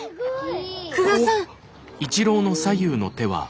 久我さん。